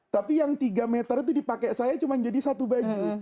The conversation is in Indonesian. tapi yang tiga meter itu dipakai saya cuma jadi satu baju